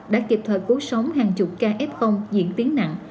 đã kịp thời cứu sống hàng chục ca f diễn tiến nặng